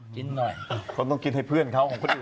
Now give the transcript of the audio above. เขาต้องกินให้เพื่อนเขา